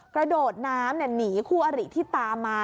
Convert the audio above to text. กระโดดน้ำหนีคู่อริที่ตามมา